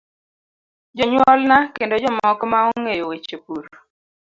Jonyuolna kendo jomoko ma ong'eyo weche pur.